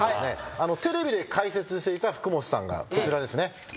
テレビで解説していた福本さんがこちらですね。